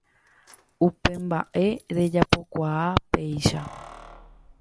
Upe mbaʼe rejapokuaa péicha.